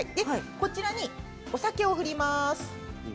こちらにお酒を振ります。